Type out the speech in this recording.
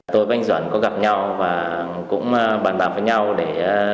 tôi và anh duẩn có gặp nhau và cũng bàn bạc với nhau để